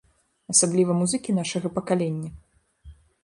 Асабліва музыкі нашага пакалення.